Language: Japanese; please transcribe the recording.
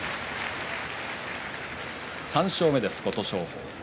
３勝目です、琴勝峰。